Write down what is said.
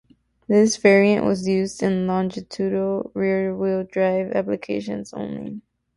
This variant was used in longitudinal rear-wheel-drive applications only.